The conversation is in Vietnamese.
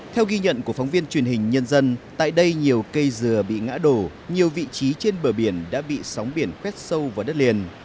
theo ghi nhận của phóng viên truyền hình nhân dân tại đây nhiều cây dừa bị ngã đổ nhiều vị trí trên bờ biển đã bị sóng biển khoét sâu vào đất liền